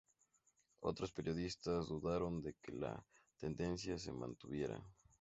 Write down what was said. Otros periodistas dudaron de que la tendencia se mantuviera.